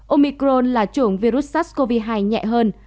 omicron là chủng virus sars cov hai nhẹ hơn